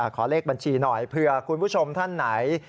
ขอเลขบัญชีหน่อยเผื่อคุณผู้ชมท่านไหน